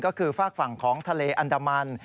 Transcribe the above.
ก็คือฝากฝั่งของทะเลอันดามัน